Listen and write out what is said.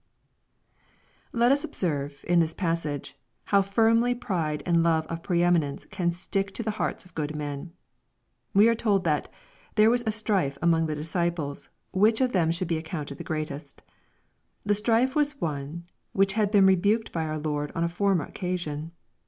Let us observe, in this passage, how firmly pride and love of pre ^raiTience can stick to the hearts of good men. We are told that " There was a strife among the disci ples, which of them should be accounted the greatest." The strife was one which had been rebuked by our Lord on a former occasion.